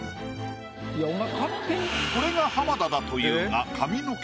これが浜田だというが。